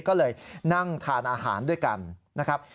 ก็เลยนั่งทานอาหารด้วยกันนะครับ